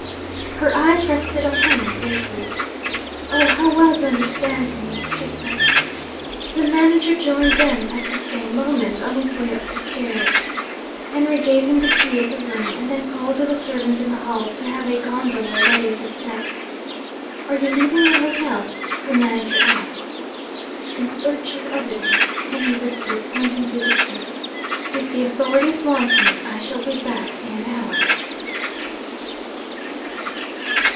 Her eyes rested on Henry gratefully. 'Oh, how well you understand me!' she said. The manager joined them at the same moment, on his way up the stairs. Henry gave him the key of the room, and then called to the servants in the hall to have a gondola ready at the steps. 'Are you leaving the hotel?' the manager asked. 'In search of evidence,' Henry whispered, pointing to the key. 'If the authorities want me, I shall be back in an hour.'